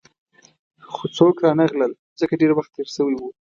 خو څوک رانغلل، ځکه ډېر وخت تېر شوی وو.